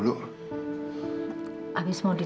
gak ada apa apa